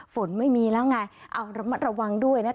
ฝนไม่มีแล้วไงระวังด้วย